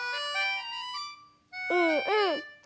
うんうん。